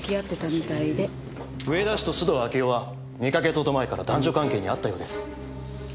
上田氏と須藤明代は２か月ほど前から男女関係にあったようです。